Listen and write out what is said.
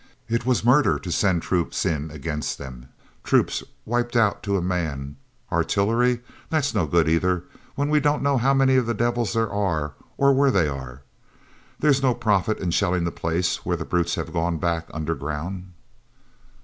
It was murder to send troops in against them, troops wiped out to a man! Artillery—that's no good either when we don't know how many of the devils there are, or where they are. There's no profit in shelling the place when the brutes have gone back underground."